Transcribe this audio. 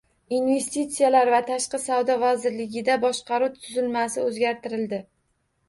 Investitsiyalar va tashqi savdo vazirligida boshqaruv tuzilmasi o‘zgartirildi